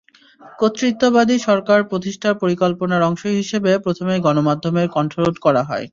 কর্তৃত্ববাদী সরকার প্রতিষ্ঠার পরিকল্পনার অংশ হিসেবে প্রথমেই গণমাধ্যমের কণ্ঠরোধ করা হয়।